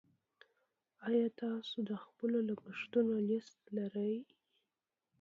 ایا تاسو د خپلو لګښتونو لیست لرئ.